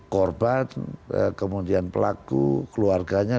korban kemudian pelaku keluarganya